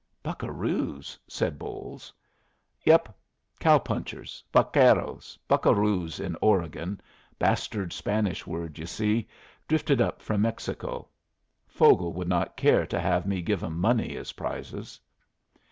"Buccaroos?" said Bolles. "Yep. Cow punchers. Vaqueros. Buccaroos in Oregon. Bastard Spanish word, you see, drifted up from Mexico. Vogel would not care to have me give 'em money as prizes."